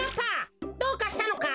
どうかしたのか？